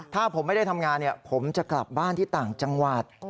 ถ้าผมไม่ได้ทำงานผมจะกลับบ้านที่ต่างจังหวัด